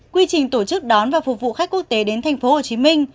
quy trình tổ chức đón và phục vụ khách quốc tế đến tp hcm